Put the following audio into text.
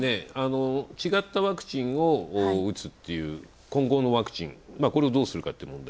違ったワクチンを打つという、混合のワクチン、これをどうするかっていう問題。